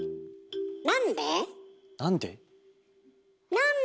なんで？